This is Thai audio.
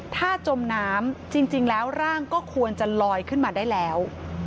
ถ้าจมน้ำจริงแล้วร่างก็ควรจะลอยขึ้นมาได้แล้ว